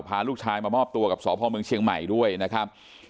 พาลูกชายมามอบตัวกับสพเมืองเชียงใหม่ด้วยนะครับ